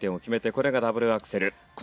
このダブルアクセル